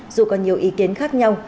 dù có nhiều ý kiến khác nhau